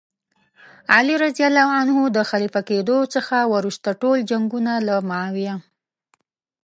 علي رض د خلیفه کېدلو څخه وروسته ټول جنګونه له معاویه.